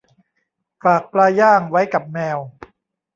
ฝากปลาย่างไว้กับแมว